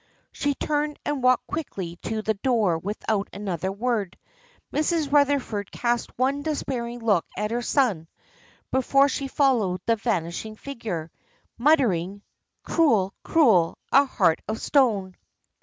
She turned and walked quickly to the door without another word. Mrs. Rutherford cast one despairing look at her son, before she followed the vanishing figure, muttering, "Cruel, cruel, a heart of stone!"